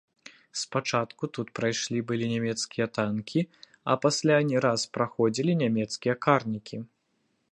Спачатку тут прайшлі былі нямецкія танкі, а пасля не раз праходзілі нямецкія карнікі.